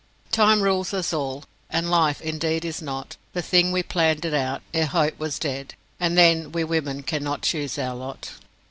"Time rules us all. And life, indeed, is not The thing we planned it out, ere hope was dead; And then, we women cannot choose our lot."